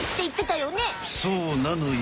そうなのよ。